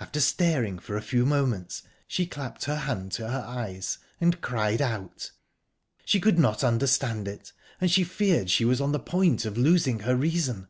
after staring for a few moments, she clapped her hand to her eyes, and cried out. She could not understand it, and she feared she was on the point of losing her reason.